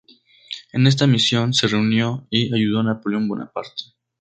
En esta misión se reunió y ayudó a Napoleón Bonaparte.